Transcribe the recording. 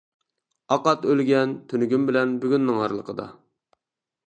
ئاق ئات ئۆلگەن، تۈنۈگۈن بىلەن بۈگۈننىڭ ئارىلىقىدا.